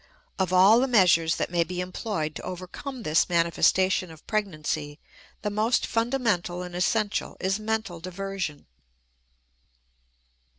Of all the measures that may be employed to overcome this manifestation of pregnancy the most fundamental and essential is mental diversion.